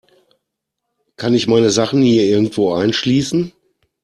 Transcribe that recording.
Kann ich meine Sachen hier irgendwo einschließen?